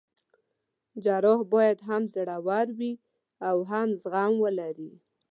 جراح باید هم زړه ور وي او هم زغم ولري.